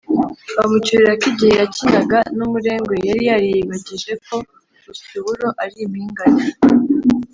bamucyurira ko igihe yakinaga n’umurengwe yari yariyibagije ko gusya uburo ari impingane.